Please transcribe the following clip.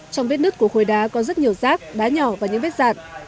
trong vết nứt của khối đá có rất nhiều rác đá nhỏ và những vết rạt